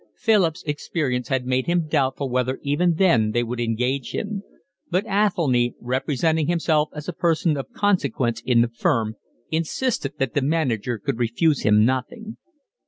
Philip's experience had made him doubtful whether even then they would engage him; but Athelny, representing himself as a person of consequence in the firm, insisted that the manager could refuse him nothing.